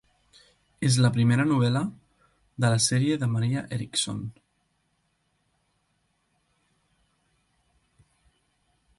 És la primera novel·la de la sèrie de Maria Eriksson.